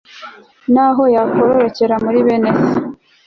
naho yakororokera muri bene se